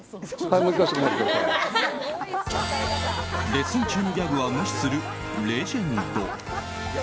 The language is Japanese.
レッスン中のギャグは無視するレジェンド。